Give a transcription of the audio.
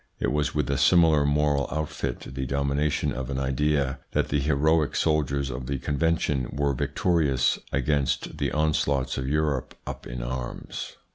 It was with a similar moral outfit the domination of an idea that the heroic soldiers of the Convention were victorious against the onslaughts of Europe up in arms.